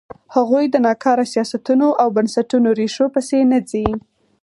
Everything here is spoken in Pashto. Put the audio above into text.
هغوی د ناکاره سیاستونو او بنسټونو ریښو پسې نه ځي.